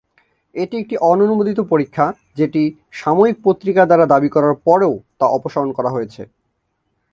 এটি একটি অননুমোদিত পরীক্ষা, যেটি সাময়িক পত্রিকা দ্বারা দাবি করার পরও তা অপসারণ করা হয়েছে।